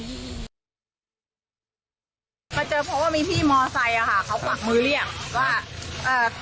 ก็เจอเพราะว่ามีที่มอไซค์ค่ะเขาปากมือเรียก